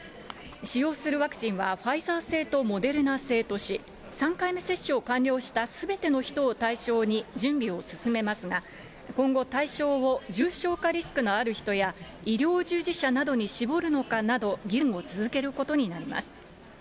使用するワクチンはファイザー製とモデルナ製とし、３回目接種を完了したすべての人を対象に準備を進めますが、今後、対象を重症化リスクのある人や、医療従事者などに絞るのかなど、議論を続けることになります。